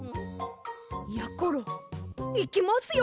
やころいきますよ。